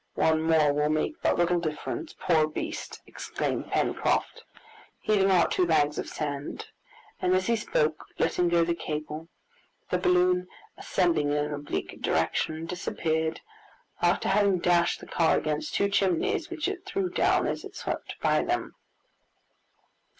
"One more will make but little difference, poor beast!" exclaimed Pencroft, heaving out two bags of sand, and as he spoke letting go the cable; the balloon ascending in an oblique direction, disappeared, after having dashed the car against two chimneys, which it threw down as it swept by them.